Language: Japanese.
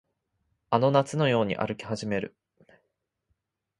あの夏のように歩き始める